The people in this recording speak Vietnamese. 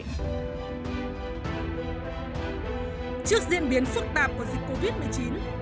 trước diễn biến phức tạp của dịch covid một mươi chín